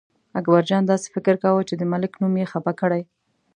اکبرجان داسې فکر کاوه چې د ملک نوم یې خپه کړی.